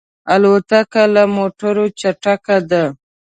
الوتکه له موټرو چټکه ده.